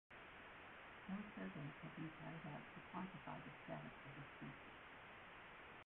No surveys have been carried out to quantify the status of the species.